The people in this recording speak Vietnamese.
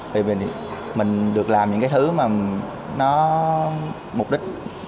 vì mình được làm những cái thứ mà nó mục đích